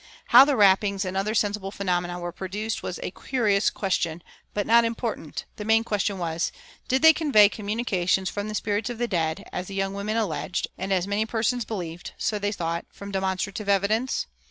How the rappings and other sensible phenomena were produced was a curious question, but not important; the main question was, Did they convey communications from the spirits of the dead, as the young women alleged, and as many persons believed (so they thought) from demonstrative evidence?